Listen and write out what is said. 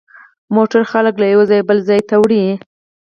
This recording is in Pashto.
موټر خلک له یوه ځایه بل ته وړي.